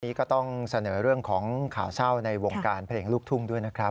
นี้ก็ต้องเสนอเรื่องของข่าวเศร้าในวงการเพลงลูกทุ่งด้วยนะครับ